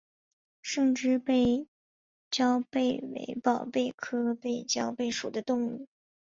胜枝背焦贝为宝贝科背焦贝属的动物。